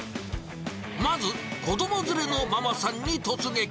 まず、子ども連れのママさんに突撃。